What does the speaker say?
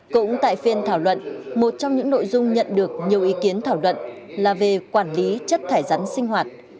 cũng tại phiên thảo luận một trong những nội dung nhận được nhiều ý kiến thảo luận là về quản lý chất thải rắn sinh hoạt